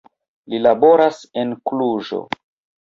Li laboras en Kluĵo.